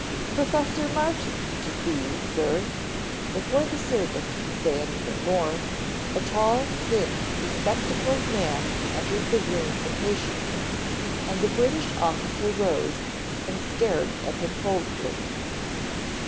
"Professor Martin to see you, Sir " Before the servant could say anything more, a tall, thin, bespectacled man entered the room impatiently, and the British officer rose, and stared at him coldly.